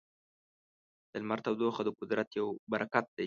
د لمر تودوخه د قدرت یو برکت دی.